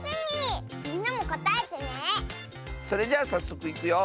それじゃあさっそくいくよ。